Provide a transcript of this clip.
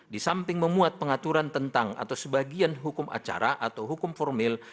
di samping memuat pengaturan tentang atau sebagian hukum acara atau hukum formil